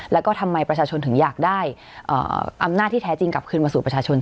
แล้วก็ทำไมประชาชนถึงอยากได้อำนาจที่แท้จริงกลับคืนมาสู่ประชาชน